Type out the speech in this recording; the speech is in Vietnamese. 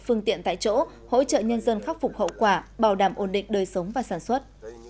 phương tiện tại chỗ hỗ trợ nhân dân khắc phục hậu quả bảo đảm ổn định đời sống và sản xuất